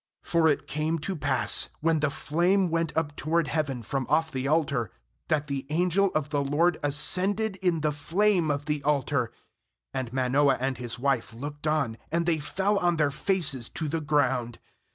20For it came to pass, when the flame went up toward heaven from off the altar, that the angel of the LORD ascended in the flame of the altar; and Manoah and his wife looked on; and they fell on their faces to the ground.